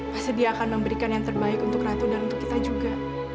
pasti dia akan memberikan yang terbaik untuk ratu dan untuk kita juga